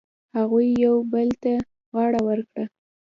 هغوی یو بل ته غاړه ورکړه.